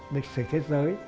lịch sử thế giới